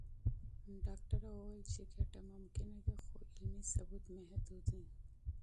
ډاکټره وویل چې ګټې ممکنه دي، خو علمي ثبوت محدود دی.